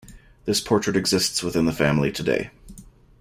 This portrait exists within the family today.